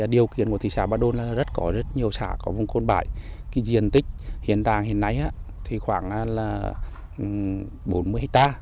điều kiện của thị xã ba đồn là rất có rất nhiều xã có vùng khôn bãi diện tích hiện đang hiện nay là khoảng bốn mươi ha